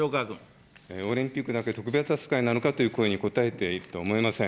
オリンピックだけ特別扱いなのかという声に答えているとは思えません。